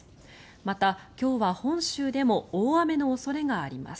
また、今日は本州でも大雨の恐れがあります。